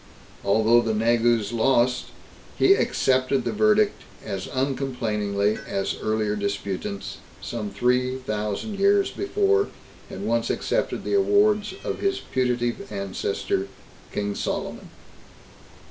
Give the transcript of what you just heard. Although the Negus lost, he accepted the verdict as uncomplainingly as earlier disputants, some three thousand years before, had once accepted the awards of his putative ancestor, King Solomon.